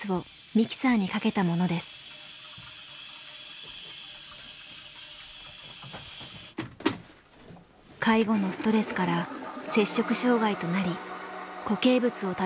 介護のストレスから摂食障害となり固形物を食べることができません。